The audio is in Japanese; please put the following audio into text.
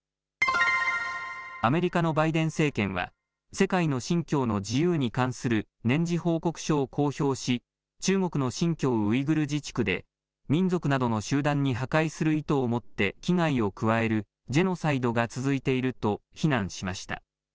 アメリカのバイデン政権は世界の信教の自由に関する年次報告書を公表し中国の新疆ウイグル自治区で民族などの集団に破壊する意図を持って危害を加えるジェノサイドが続いていると非難しました。